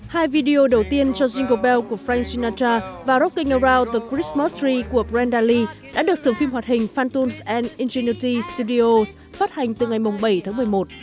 hai video đầu tiên cho jingle bell của frank sinatra và rocking around the christmas tree của brenda lee đã được sưởng phim hoạt hình phantoms and ingenuity studios phát hành từ ngày bảy tháng một mươi một